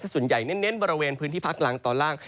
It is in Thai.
ส่วนใหญ่เน้นบริเวณพื้นที่ภาคล่างตอนล่าง